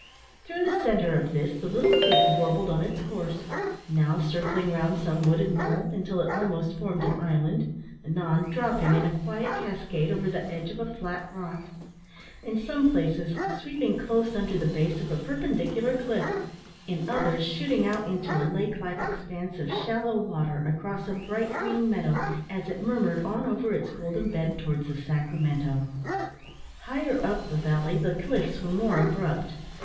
Through the centre of this the Little Creek warbled on its course; now circling round some wooded knoll, until it almost formed an island; anon dropping, in a quiet cascade, over the edge of a flat rock; in some places sweeping close under the base of a perpendicular cliff; in others shooting out into a lake like expanse of shallow water across a bright green meadow, as it murmured on over its golden bed towards the Sacramento. Higher up the valley the cliffs were more abrupt.